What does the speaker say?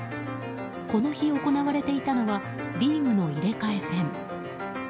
この日、行われていたのはリーグの入れ替え戦。